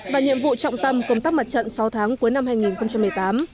và nhiệm vụ trọng tâm công tác mặt trận sáu tháng cuối năm hai nghìn một mươi tám